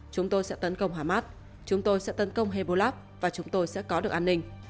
chúng tôi sẽ tấn công hamas chúng tôi sẽ tấn công hebolab và chúng tôi sẽ có được an ninh